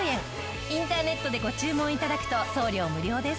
インターネットでご注文頂くと送料無料です。